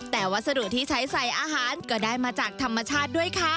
แต่วัสดุที่ใช้ใส่อาหารก็ได้มาจากธรรมชาติด้วยค่ะ